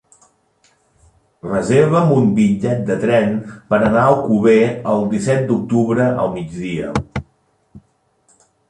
Reserva'm un bitllet de tren per anar a Alcover el disset d'octubre al migdia.